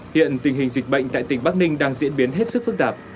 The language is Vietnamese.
hiện tình hình dịch bệnh tại tỉnh bắc ninh đang diễn biến hết sức phức tạp